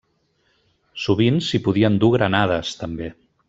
Sovint s'hi podien dur granades, també.